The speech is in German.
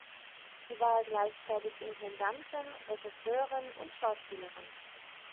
Sie war gleichzeitig Intendantin, Regisseurin und Schauspielerin.